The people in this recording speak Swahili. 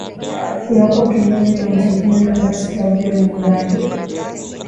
iwapo kiongozi wa nchi hiyo robert gabriel mugabe